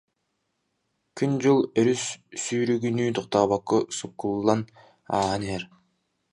«Күн-дьыл өрүс сүүрүгүнүү тохтообокко суккуллан ааһан иһэр